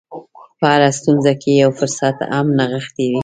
په هره ستونزه کې یو فرصت هم نغښتی وي